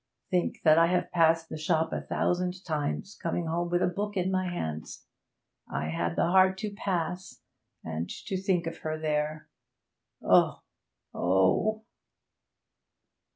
Think that I have passed the shop a thousand times, coming home with a book in my hands! I had the heart to pass, and to think of her there! Oh! Oh!'